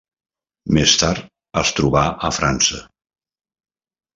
Més tard es trobà a França.